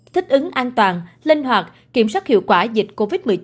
thích ứng an toàn linh hoạt kiểm soát hiệu quả dịch covid một mươi chín